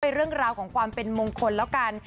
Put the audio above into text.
เรื่องราวของความเป็นมงคลแล้วกัน